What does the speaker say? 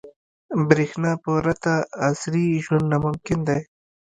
• برېښنا پرته عصري ژوند ناممکن دی.